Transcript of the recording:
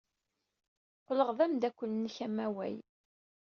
Qqleɣ d ameddakel-nnek amaway.